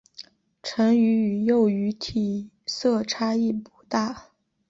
成鱼与幼鱼体色差异不大。